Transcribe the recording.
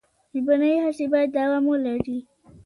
ژبنۍ هڅې باید دوام ولري.